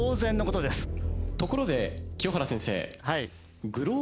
ところで清原先生。